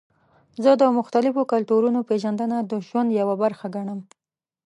زه د مختلفو کلتورونو پیژندنه د ژوند یوه برخه ګڼم.